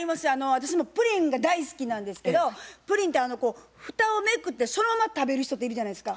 私もプリンが大好きなんですけどプリンって蓋をめくってそのまま食べる人っているじゃないですか。